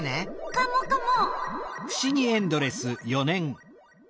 カモカモ。